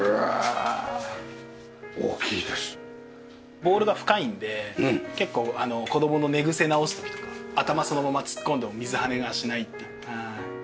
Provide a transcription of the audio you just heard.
ボウルが深いので結構子供の寝癖直す時とか頭そのまま突っ込んでも水はねがしない。